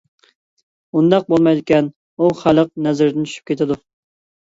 ئۇنداق بولمايدىكەن، ئۇ خەلق نەزىرىدىن چۈشۈپ كېتىدۇ.